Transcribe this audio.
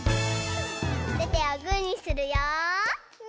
おててをグーにするよ。